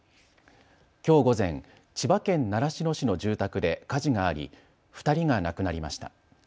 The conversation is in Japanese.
きょう午前、千葉県習志野市の住宅で火事があり２人が亡くなりました。